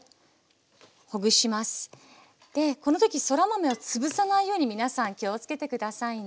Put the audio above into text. この時そら豆を潰さないように皆さん気をつけて下さいね。